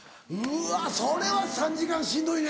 うわそれは３時間しんどいね。